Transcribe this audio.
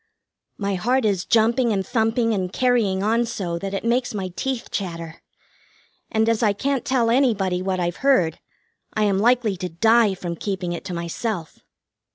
My heart is jumping and thumping and carrying on so that it makes my teeth chatter; and as I can't tell anybody what I've heard, I am likely to die from keeping it to myself.